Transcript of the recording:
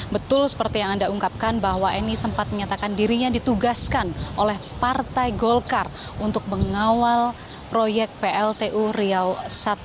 betul seperti yang anda ungkapkan bahwa eni sempat menyatakan dirinya ditugaskan oleh partai golkar untuk mengawal proyek pltu riau i